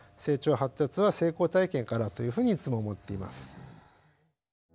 成長・発達は成功体験からというふうにいつも思っています。